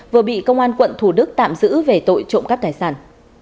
vừa bị công an quận thủ đức tạm giữ về tội trộm cắp tài sản